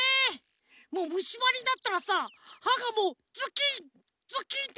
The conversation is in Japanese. もうむしばになったらさはがもうズキンズキンっていたくなるでしょ。